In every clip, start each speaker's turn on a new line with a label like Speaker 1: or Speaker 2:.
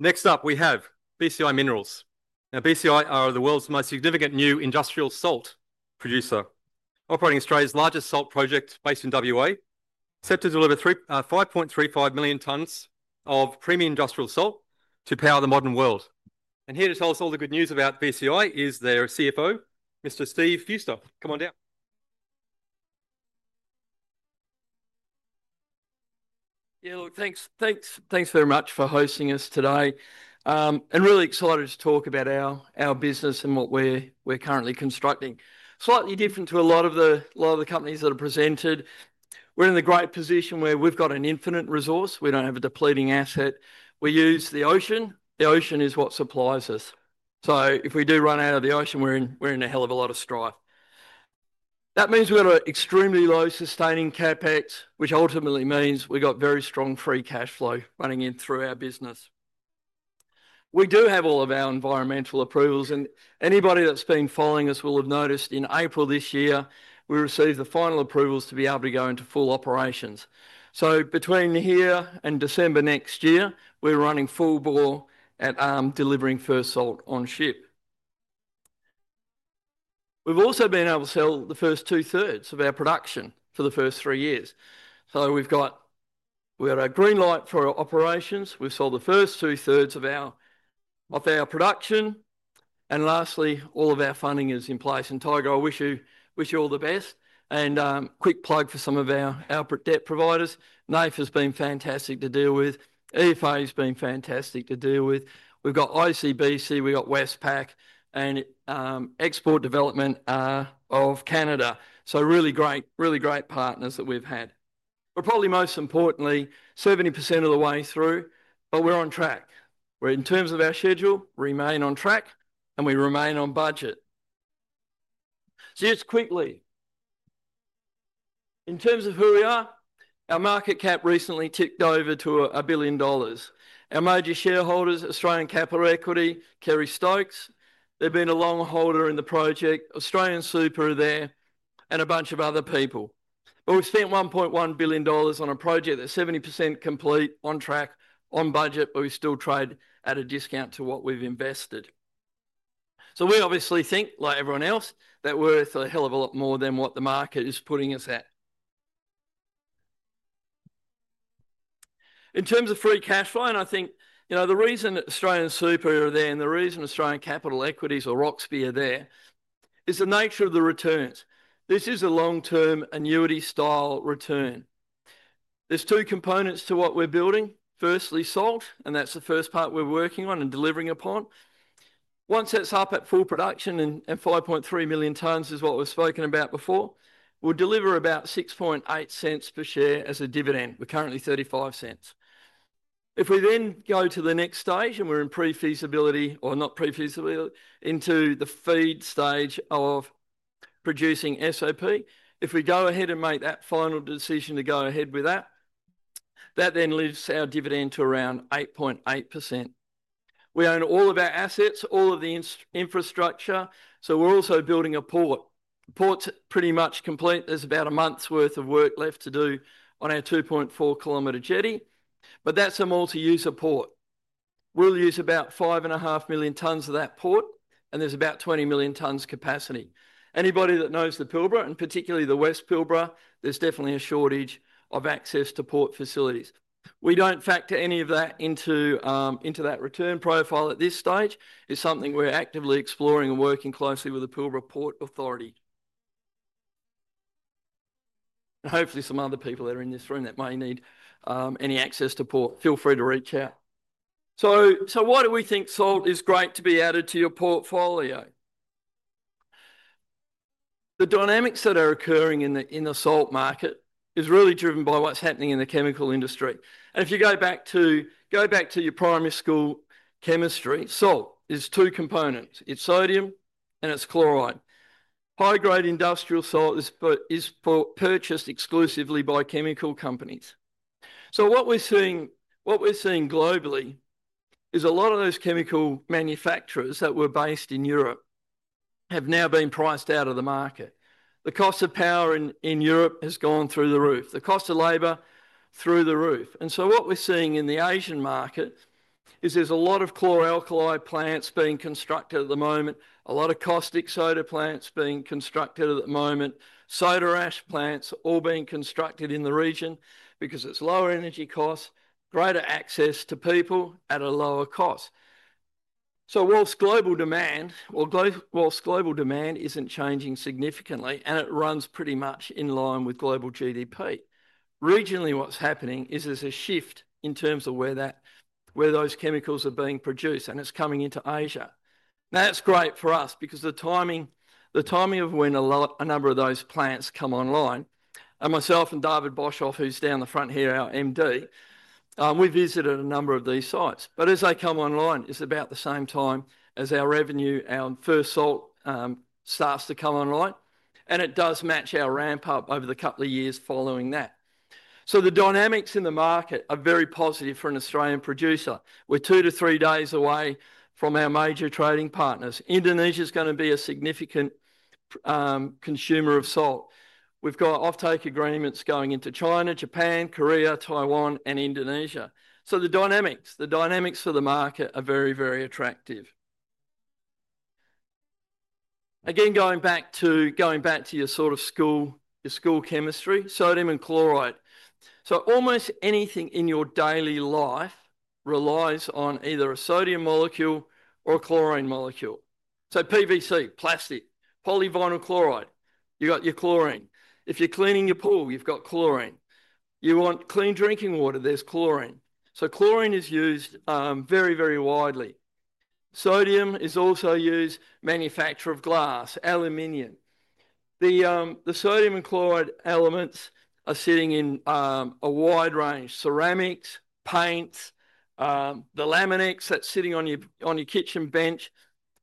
Speaker 1: Next up, we have BCI Minerals. Now, BCI are the world's most significant new industrial salt producer, operating Australia's largest salt project based in WA, set to deliver 5.35 million tonnes of premium industrial grade salt to power the modern world. Here to tell us all the good news about BCI is their CFO, Mr. Steve Fewster. Come on down.
Speaker 2: Yeah, look, thanks, thanks very much for hosting us today. I'm really excited to talk about our business and what we're currently constructing. Slightly different to a lot of the companies that are presented, we're in the great position where we've got an infinite resource. We don't have a depleting asset. We use the ocean. The ocean is what supplies us. If we do run out of the ocean, we're in a hell of a lot of strife. That means we've got an extremely low sustaining CapEx, which ultimately means we've got very strong free cash flow running in through our business. We do have all of our environmental approvals, and anybody that's been following us will have noticed in April this year, we received the final approvals to be able to go into full operations. Between here and December next year, we're running full bore at delivering first salt on ship. We've also been able to sell the first two-thirds of our production for the first three years. We've got a green light for our operations. We've sold the first two-thirds of our production. Lastly, all of our funding is in place. Tigo, I wish you all the best. A quick plug for some of our debt providers. NAIF has been fantastic to deal with. EFA has been fantastic to deal with. We've got OCBC, we've got Westpac, and Export Development Canada. Really great partners that we've had. Probably most importantly, 70% of the way through, we're on track. In terms of our schedule, we remain on track and we remain on budget. Just quickly, in terms of who we are, our market cap recently tipped over to 1 billion dollars. Our major shareholders, Australian Capital Equity, Kerry Stokes, they've been a long holder in the project, AustralianSuper there, and a bunch of other people. We've spent 1.1 billion dollars on a project that's 70% complete, on track, on budget, but we still trade at a discount to what we've invested. We obviously think, like everyone else, that we're worth a hell of a lot more than what the market is putting us at. In terms of free cash flow, and I think the reason AustralianSuper are there and the reason Australian Capital Equity or Roxby are there is the nature of the returns. This is a long-term annuity-style return. There's two components to what we're building. Firstly, salt, and that's the first part we're working on and delivering upon. Once it's up at full production and 5.3 million tonnes is what we've spoken about before, we'll deliver about 0.068 per share as a dividend. We're currently 0.35. If we then go to the next stage and we're in not pre-feasibility, into the FEED stage of producing sulfate of potash, if we go ahead and make that final decision to go ahead with that, that then lifts our dividend to around 8.8%. We own all of our assets, all of the infrastructure, so we're also building a port. The port's pretty much complete. There's about a month's worth of work left to do on our 2.4-kilometer jetty, but that's a multi-user port. We'll use about 5.5 million tonnes of that port, and there's about 20 million tonnes capacity. Anybody that knows the Pilbara, and particularly the West Pilbara, there's definitely a shortage of access to port facilities. We don't factor any of that into that return profile at this stage. It's something we're actively exploring and working closely with the Pilbara Ports Authority. Hopefully some other people that are in this room that may need any access to port, feel free to reach out. Why do we think salt is great to be added to your portfolio? The dynamics that are occurring in the salt market are really driven by what's happening in the chemical industry. If you go back to your primary school chemistry, salt is two components. It's sodium and it's chloride. High-grade industrial salt is purchased exclusively by chemical companies. What we're seeing globally is a lot of those chemical manufacturers that were based in Europe have now been priced out of the market. The cost of power in Europe has gone through the roof. The cost of labor through the roof. What we're seeing in the Asian markets is there's a lot of chlor-alkali plants being constructed at the moment, a lot of caustic soda plants being constructed at the moment, soda ash plants all being constructed in the region because it's lower energy costs, greater access to people at a lower cost. Whilst global demand isn't changing significantly and it runs pretty much in line with global GDP, regionally what's happening is there's a shift in terms of where those chemicals are being produced and it's coming into Asia. That's great for us because the timing of when a number of those plants come online, and myself and David Boshoff, who's down the front here, our MD, we visited a number of these sites. As they come online, it's about the same time as our revenue, our first salt, starts to come online. It does match our ramp-up over the couple of years following that. The dynamics in the market are very positive for an Australian producer. We're two to three days away from our major trading partners. Indonesia is going to be a significant consumer of salt. We've got off-take agreements going into China, Japan, Korea, Taiwan, and Indonesia. The dynamics for the market are very, very attractive. Again, going back to your sort of school, your school chemistry, sodium, and chloride. Almost anything in your daily life relies on either a sodium molecule or a chlorine molecule. PVC, plastic, polyvinyl chloride, you've got your chlorine. If you're cleaning your pool, you've got chlorine. You want clean drinking water, there's chlorine. Chlorine is used very, very widely. Sodium is also used, manufacturer of glass, aluminium. The sodium and chloride elements are sitting in a wide range: ceramics, paints, the laminates that's sitting on your kitchen bench.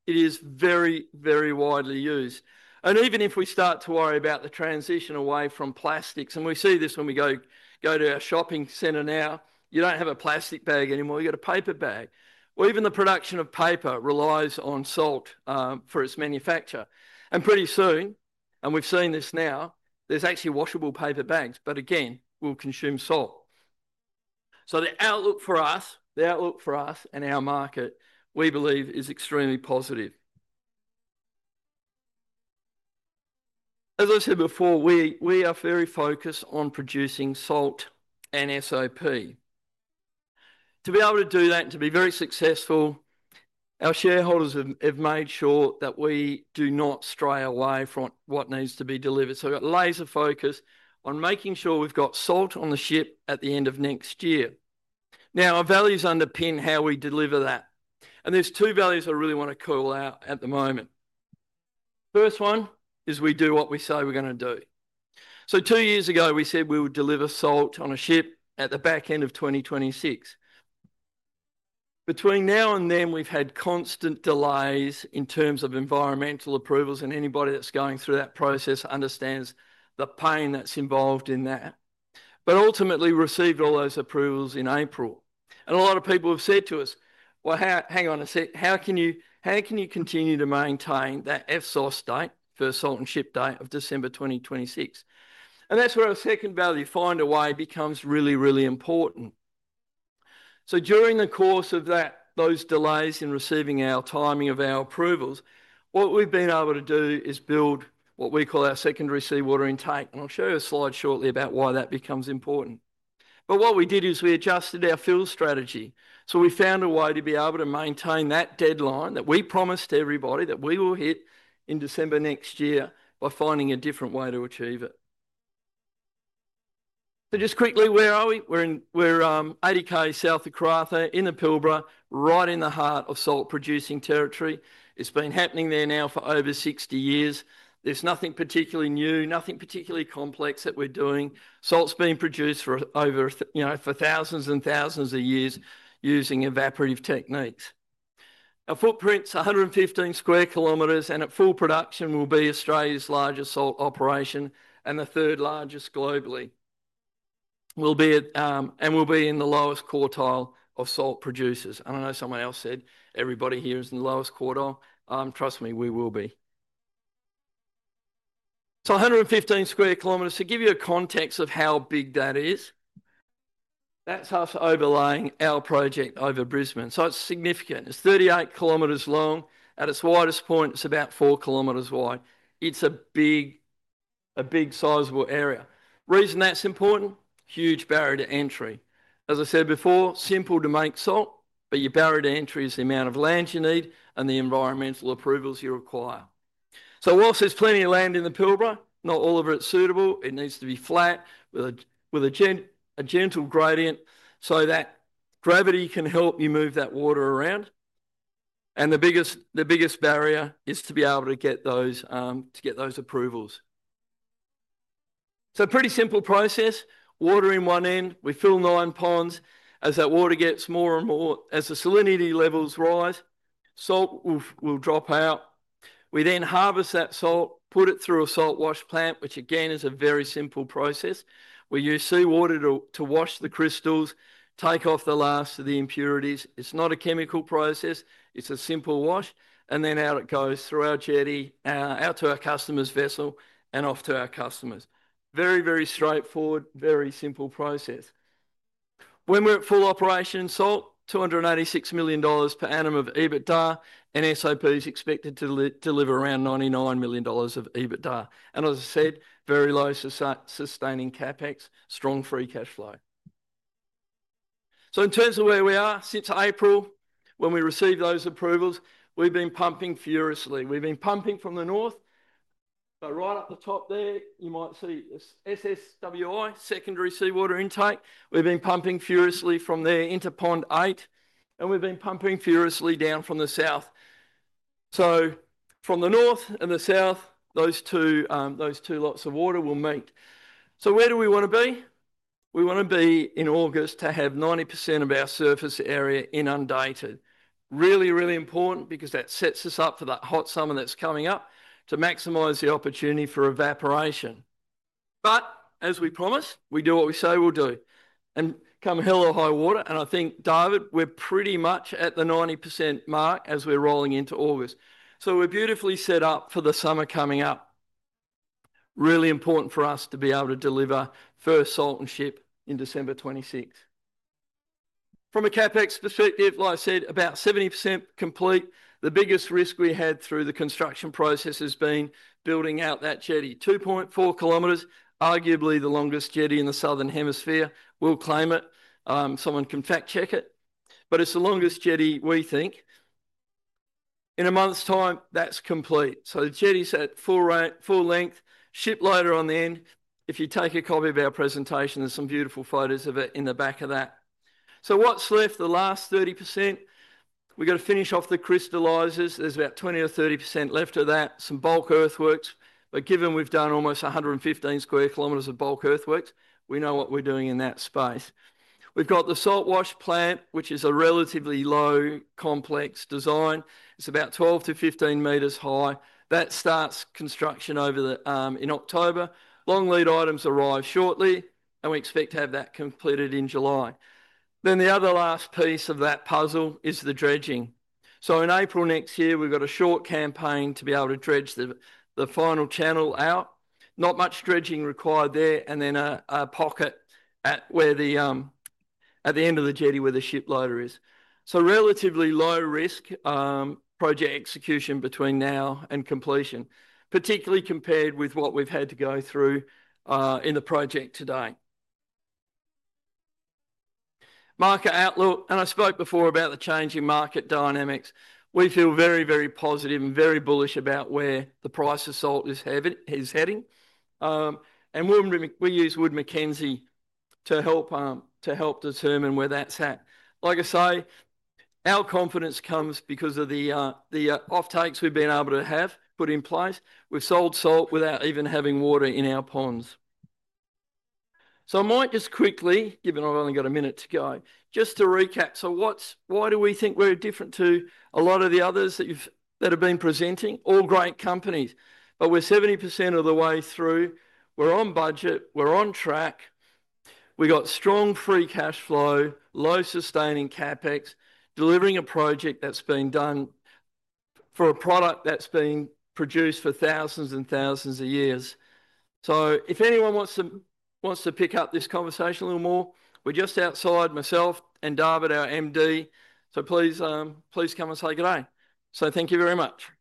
Speaker 2: It is very, very widely used. Even if we start to worry about the transition away from plastics, and we see this when we go to our shopping centre now, you don't have a plastic bag anymore. You've got a paper bag. Even the production of paper relies on salt for its manufacture. Pretty soon, and we've seen this now, there's actually washable paper bags, but again, we'll consume salt. The outlook for us, the outlook for us and our market, we believe, is extremely positive. As I said before, we are very focused on producing salt and SOP. To be able to do that and to be very successful, our shareholders have made sure that we do not stray away from what needs to be delivered. We've got laser focus on making sure we've got salt on the ship at the end of next year. Our values underpin how we deliver that. There are two values I really want to call out at the moment. The first one is we do what we say we're going to do. Two years ago, we said we would deliver salt on a ship at the back end of 2026. Between now and then, we've had constant delays in terms of environmental approvals, and anybody that's going through that process understands the pain that's involved in that. Ultimately, we received all those approvals in April. A lot of people have said to us, "Hang on a sec. How can you continue to maintain that SOS date, first salt and ship date of December 2026? That's where our second value, find a way, becomes really, really important. During the course of those delays in receiving our timing of our approvals, what we've been able to do is build what we call our secondary seawater intake. I'll show you a slide shortly about why that becomes important. What we did is we adjusted our fill strategy. We found a way to be able to maintain that deadline that we promised everybody that we will hit in December next year by finding a different way to achieve it. Just quickly, where are we? We're 80 kilometers south of Karratha, in the Pilbara, right in the heart of salt-producing territory. It's been happening there now for over 60 years. There's nothing particularly new, nothing particularly complex that we're doing. Salt's been produced for thousands and thousands of years using evaporative techniques. Our footprint's 115 square kilometers, and at full production will be Australia's largest salt operation and the third largest globally. We'll be in the lowest quartile of salt producers. I know someone else said everybody here is in the lowest quartile. Trust me, we will be. So 115 square kilometers, to give you a context of how big that is, that's us overlaying our project over Brisbane. It's significant. It's 38 kilometers long. At its widest point, it's about 4 kilometers wide. It's a big, a big sizable area. The reason that's important? Huge barrier to entry. As I said before, simple to make salt, but your barrier to entry is the amount of land you need and the environmental approvals you require. Whilst there's plenty of land in the Pilbara, not all of it's suitable, it needs to be flat with a gentle gradient so that gravity can help you move that water around. The biggest barrier is to be able to get those approvals. Pretty simple process. Water in one end. We fill nine ponds. As that water gets more and more, as the salinity levels rise, salt will drop out. We then harvest that salt, put it through a salt wash plant, which again is a very simple process. We use seawater to wash the crystals, take off the last of the impurities. It's not a chemical process. It's a simple wash. Then out it goes through our jetty, out to our customer's vessel, and off to our customers. Very, very straightforward, very simple process. When we're at full operation, salt, 286 million dollars per annum of EBITDA, and SOP is expected to deliver around 99 million dollars of EBITDA. As I said, very low sustaining CapEx, strong free cash flow. In terms of where we are since April, when we received those approvals, we've been pumping furiously. We've been pumping from the north. Right up the top there, you might see SSWI, secondary seawater intake. We've been pumping furiously from there into pond eight. We've been pumping furiously down from the south. From the north and the south, those two lots of water will meet. Where do we want to be? We want to be in August to have 90% of our surface area inundated. Really, really important because that sets us up for that hot summer that's coming up to maximize the opportunity for evaporation. As we promised, we do what we say we'll do. Come hell or high water, and I think, David, we're pretty much at the 90% mark as we're rolling into August. We're beautifully set up for the summer coming up. Really important for us to be able to deliver first salt and ship in December 2026. From a CapEx perspective, like I said, about 70% complete. The biggest risk we had through the construction process has been building out that jetty. 2.4 kilometers, arguably the longest jetty in the southern hemisphere. We'll claim it. Someone can fact-check it. It's the longest jetty, we think. In a month's time, that's complete. The jetty's at full length, ship loader on the end. If you take a copy of our presentation, there's some beautiful photos of it in the back of that. What's left? The last 30%. We've got to finish off the crystallizers. There's about 20% or 30% left of that. Some bulk earthworks. Given we've done almost 115 square kilometers of bulk earthworks, we know what we're doing in that space. We've got the salt wash plant, which is a relatively low complex design. It's about 12-15 meters high. That starts construction over in October. Long lead items arrive shortly, and we expect to have that completed in July. The other last piece of that puzzle is the dredging. In April next year, we've got a short campaign to be able to dredge the final channel out. Not much dredging required there, and then a pocket at where the end of the jetty where the ship loader is. Relatively low risk project execution between now and completion, particularly compared with what we've had to go through in the project today. Market outlook, and I spoke before about the change in market dynamics. We feel very, very positive and very bullish about where the price of salt is heading. We use Wood Mackenzie to help determine where that's at. Our confidence comes because of the off-takes we've been able to have put in place. We've sold salt without even having water in our ponds. I might just quickly, given I've only got a minute to go, just recap. Why do we think we're different to a lot of the others that have been presenting? All great companies. We're 70% of the way through. We're on budget. We're on track. We've got strong free cash flow, low sustaining CapEx, delivering a project that's been done for a product that's been produced for thousands and thousands of years. If anyone wants to pick up this conversation a little more, we're just outside, myself and David, our MD. Please, please come and say good day. Thank you very much.